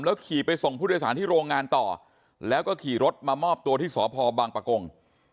ขี่ไปส่งผู้โดยสารที่โรงงานต่อแล้วก็ขี่รถมามอบตัวที่สพบังปะกง